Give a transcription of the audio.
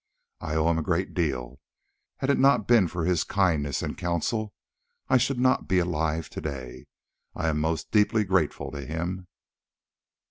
"I owe him a great deal: had it not been for his kindness and counsel, I should not be alive to day. I am most deeply grateful to him."